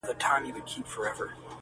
• دواړي خویندي وې رنګیني ښایستې وې -